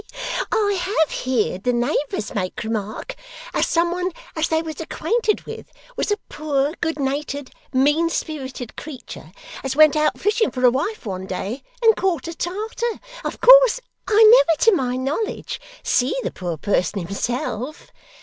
He he he! I HAVE heerd the neighbours make remark as some one as they was acquainted with, was a poor good natur'd mean spirited creetur, as went out fishing for a wife one day, and caught a Tartar. Of course I never to my knowledge see the poor person himself.